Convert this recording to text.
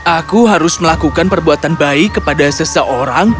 aku harus melakukan perbuatan baik kepada seseorang